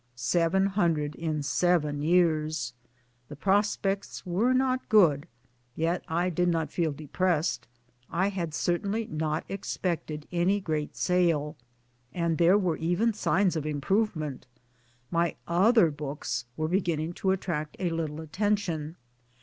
Seven hundred in seven years 1 The prospects were not good, yet I did not feel depressed. I had certainly not expected any great sale ; and there were even signs of improvement. My other books were beginning to attract a little attention.